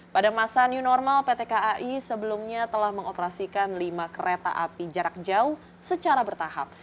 pada masa new normal pt kai sebelumnya telah mengoperasikan lima kereta api jarak jauh secara bertahap